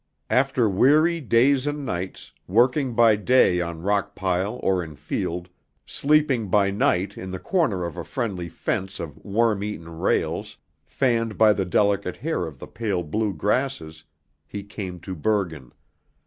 After weary days and nights, working by day on rock pile or in field, sleeping by night in the corner of a friendly fence of worm eaten rails, fanned by the delicate hair of the pale blue grasses, he came to Burgin.